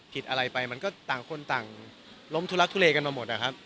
ผิดอะไรไปมันก็ต่างคนต่างล้มทุลักทุเลกันมาหมดนะครับ